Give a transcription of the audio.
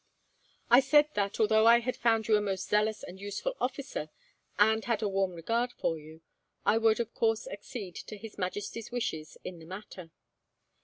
I said that, although I had found you a most zealous and useful officer, and had a warm regard for you, I would of course accede to His Majesty's wishes in the matter.